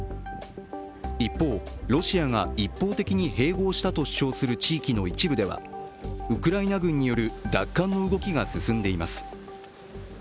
一方、ロシアが一方的に併合したと主張する地域の一部ではウクライナ軍による奪還の動きが進んでいます。